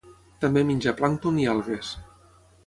També menja plàncton i algues.